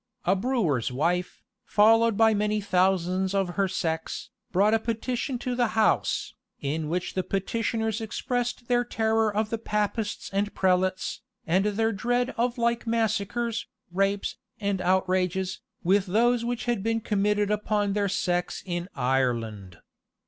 A brewer's wife, followed by many thousands of her sex, brought a petition to the house, in which the petitioners expressed their terror of the Papists and prelates, and their dread of like massacres, rapes, and outrages, with those which had been committed upon their sex in Ireland.